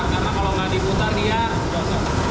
karena kalau nggak diputar dia